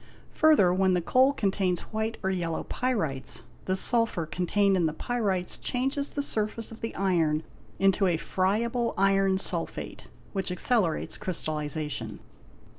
Further, when the coal contains white or yellow _ pyrites, the sulphur contained in the pyrites changes the surface of the iron into a friable iron sulphate, which accelerates crystallization.